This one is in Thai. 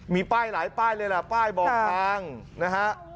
มีป้ายหลายป้ายเลยล่ะป้ายบอกทางนะฮะ